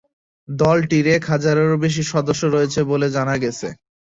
দলটির এক হাজারেরও বেশি সদস্য রয়েছে বলে জানা গেছে।